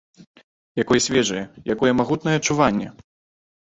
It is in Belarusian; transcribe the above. Якое свежае, якое магутнае адчуванне!